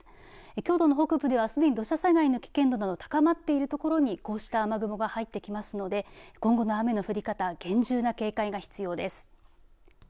京都の北部ではすでに土砂災害の危険度が高まっているところにこうした雨雲が入ってきますので今後の雨の降り方、厳重な警戒が必要です。